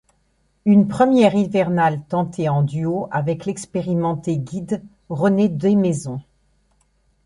Une première hivernale tentée en duo avec l'expérimenté guide René Desmaison.